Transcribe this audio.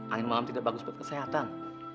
angin malam tidak bagus buat kesehatan